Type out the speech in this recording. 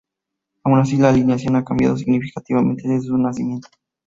Aun así, la alineación ha cambiado significativamente desde su nacimiento.